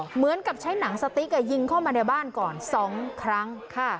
เหมือนกับใช้หนังสติ๊กยิงเข้ามาในบ้านก่อน๒ครั้ง